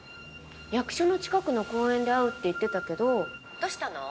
役所の近くの公園で会うって言ってたけどどうしたの？